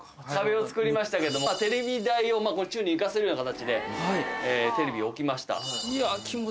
壁を作りましたけどもテレビ台を宙に浮かせるような形でテレビを置きました。